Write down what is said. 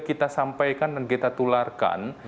kita sampaikan dan kita tularkan